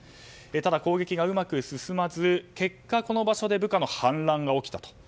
ただ、攻撃がうまく進まず結果、この場所で部下の反乱がおきたと。